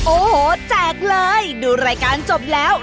โอ้โหแจกเลยดูรายการจบแล้ว